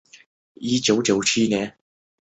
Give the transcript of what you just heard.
现时业务为主要投资上市和非上市公司企业。